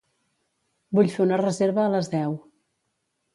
Vull fer una reserva a les deu.